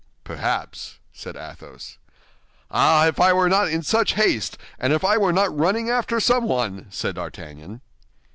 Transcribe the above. "Perhaps," said Athos. "Ah! If I were not in such haste, and if I were not running after someone," said D'Artagnan.